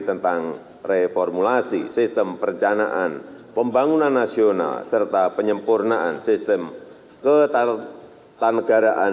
tentang reformulasi sistem perencanaan pembangunan nasional serta penyempurnaan sistem ketatanegaraan